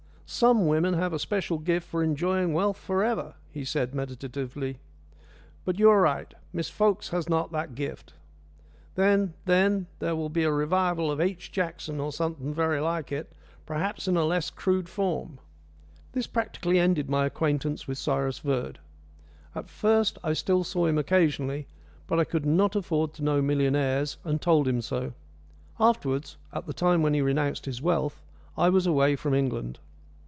"Some women have a special gift for enjoying wealth for ever," he said meditatively. "But you are right; Miss Fokes has not that gift. Then then there will be a revival of H. Jackson, or something very like it, perhaps in a less crude form." This practically ended my acquaintance with Cyrus Verd. At first I still saw him occasionally, but I could not afford to know millionaires, and told him so. Afterwards, at the time when he renounced his wealth, I was away from England.